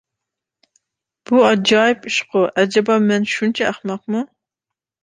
بۇ ئاجايىپ ئىشقۇ، ئەجەبا، مەن شۇنچە ئەخمەقمۇ؟